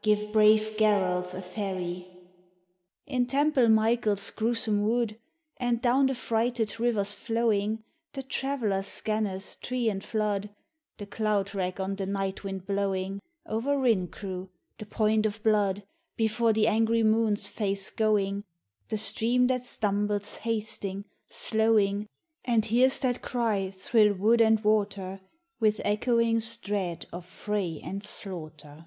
Give brave Garalth a ferry !" In Temple Michael's gruesome wood And down the frighted river's flowing The traveller scanneth tree and flood, The cloud rack on the night wind blowing Over Rhincrew, the Point of Blood Before the angry moon's face going, The stream that stumbles hasting, slowing — And hears that cry thrill wood and water With echoings dread of fray and slaughter.